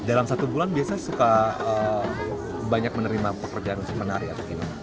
dalam satu bulan biasanya suka banyak menerima pekerjaan menari atau gimana